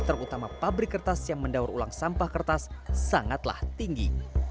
terutama pabrik kertas yang mendaur ulang sampah kertas sangatlah tinggi